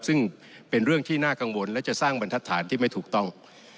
ซึ่งเป็นเรื่องที่น่ากังวลและจะสร้างบรรทัศน์ที่ไม่ถูกต้อง